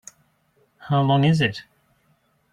How long is it?